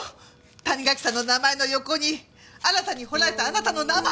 谷垣さんの名前の横に新たに彫られたあなたの名前。